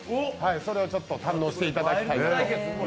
それを堪能していただきたい。